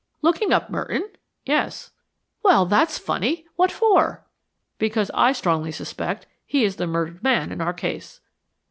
"Looking up Merton?" "Yes." "Well, that's funny. What for?" "Because I strongly suspect he is the murdered man in our case."